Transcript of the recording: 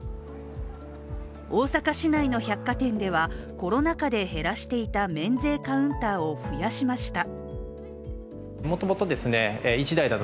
大阪市内の百貨店では、コロナ禍で減らしていた免税カウンターを増やしました。